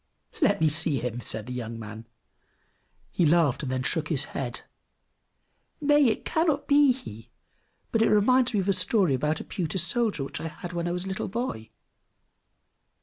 "Let me see him," said the young man. He laughed, and then shook his head. "Nay, it cannot be he; but he reminds me of a story about a pewter soldier which I had when I was a little boy!"